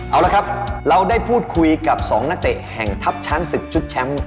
เอาละครับเราได้พูดคุยกับ๒นักเตะแห่งทัพช้างศึกชุดแชมป์